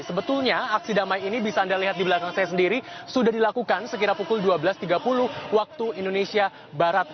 sebetulnya aksi damai ini bisa anda lihat di belakang saya sendiri sudah dilakukan sekira pukul dua belas tiga puluh waktu indonesia barat